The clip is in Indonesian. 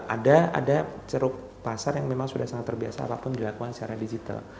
ada ceruk pasar yang memang sudah sangat terbiasa apapun dilakukan secara digital